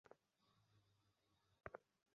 উহা হিন্দুধর্ম নহে, উহা আমাদের কোন শাস্ত্রে নাই।